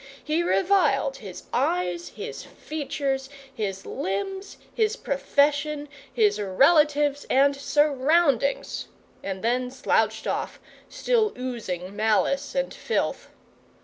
He reviled his eyes, his features, his limbs, his profession, his relatives and surroundings; and then slouched off, still oozing malice and filth.